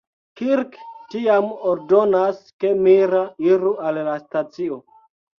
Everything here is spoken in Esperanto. Kirk tiam ordonas ke Mira iru al la stacio.